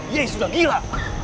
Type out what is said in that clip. yei sudah gila